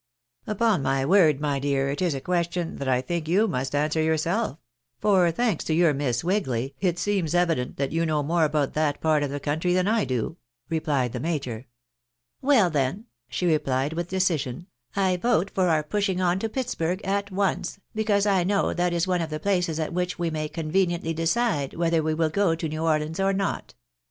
" Upon my word, my dear, it is a question that I think you must answer yourself; for, thanks to your Miss Wigly, it seems evident that you know more about that part of the country than I do," replied the major. " Well then," she replied with decision, " I vote for our pushing on to Pittsburg at once, because I know that is one of the places at which we may conveniently decide whether we wiU go to New Orleans or not.